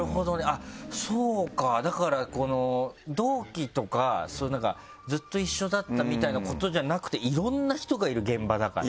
あっそうかだからこの同期とかなんかずっと一緒だったみたいなことじゃなくていろんな人がいる現場だから。